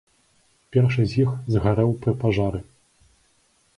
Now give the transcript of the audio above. Першы з іх згарэў пры пажары.